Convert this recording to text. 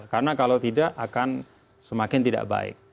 karena kalau tidak akan semakin tidak baik